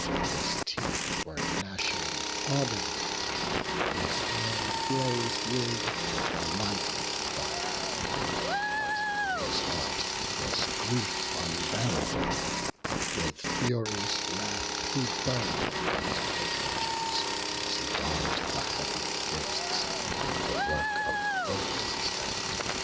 His teeth were gnashing audibly; his eye Blaz'd with, the light of fire; but in his heart Was grief unbearable; with furious wrath He burn'd against the Trojans, as he donn'd The heav'nly gifts, the work of Vulcan's hand.